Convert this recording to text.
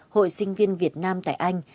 hội sinh viên việt nam tại anh